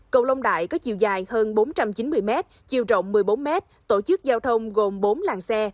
cầu long đại có chiều dài hơn bốn trăm chín mươi m chiều rộng một mươi bốn m tổ chức giao thông gồm bốn làng xe